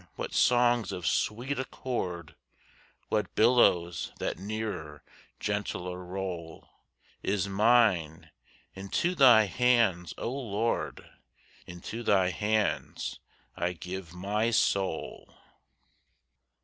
What songs of sweet accord! What billows that nearer, gentler roll! Is mine! Into Thy hands, O Lord, Into Thy hands I give my soul!